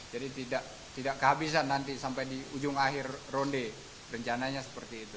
jadi tidak kehabisan nanti sampai di ujung akhir ronde rencananya seperti itu